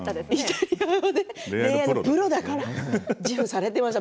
恋愛のプロだからと自負されてました。